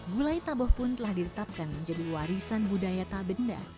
gulai taboh pun telah ditetapkan menjadi warisan budaya tabenda